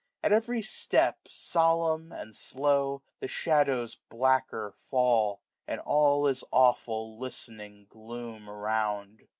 At every step. Solemn, and slow, the shadows blacker fall, 520 And all is awefiil listening gloom around.